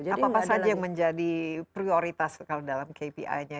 apa apa saja yang menjadi prioritas kalau dalam kpi nya